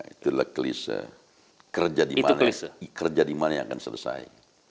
itu adalah klise kerja dimana yang akan selesai